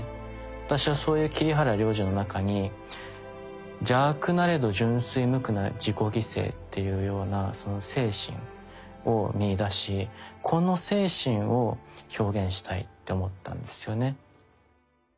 私はそういう桐原亮司の中に「邪悪なれど純粋無垢な自己犠牲」っていうようなその精神を見いだしこの精神を表現したいって思ったんですよね。